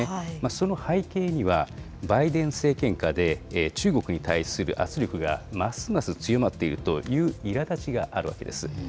その背景には、バイデン政権下で中国に対する圧力がますます強まっているといういらだちがあるわけです。